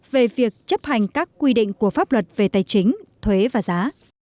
về việc chấp hành các quy định của pháp luật về tài chính thuế và giá